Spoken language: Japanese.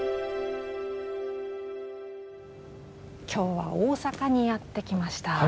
今日は大阪にやって来ました。